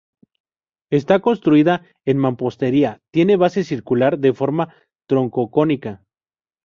Está construida en mampostería, tiene base circular, de forma troncocónica.